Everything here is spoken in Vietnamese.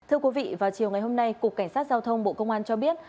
thưa quý vị vào chiều ngày hôm nay cục cảnh sát giao thông bộ công an cho biết